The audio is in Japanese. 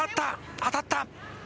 当たった！